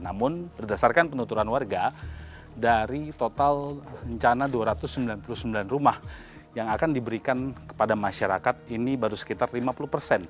namun berdasarkan penuturan warga dari total rencana dua ratus sembilan puluh sembilan rumah yang akan diberikan kepada masyarakat ini baru sekitar lima puluh persen